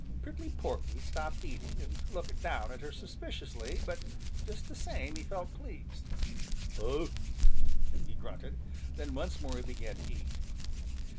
Prickly Porky stopped eating and looked down at her suspiciously, but just the same he felt pleased. "Huh!" he grunted, then once more he began to eat.